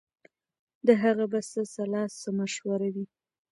د هغه به څه سلا څه مشوره وي